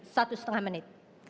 satu setengah menit